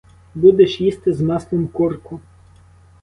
Будеш їсти з маслом курку!